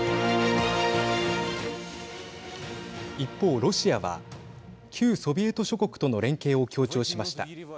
一方、ロシアは旧ソビエト諸国との連携を強調しました。